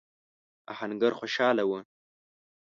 آهنګر خوشاله و.